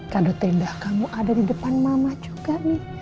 kado tenda kamu ada di depan mama juga nih